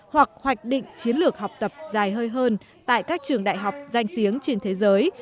hoặc hoạch định chiến lược học tập dài hơi hơn tại các trường đại học danh tiếng trên thế giới